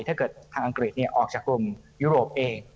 ถ้าเกิดทางอังกฤษออกจากกลุ่มยุโรปเอง